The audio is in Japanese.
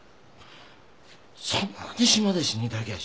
そんなに島で死にたきゃ